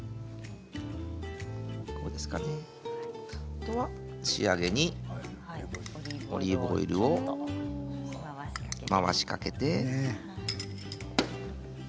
あとは仕上げにオリーブオイルを回しかけて。